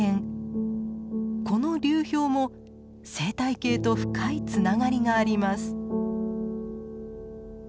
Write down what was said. この流氷も生態系と深いつながりがあります。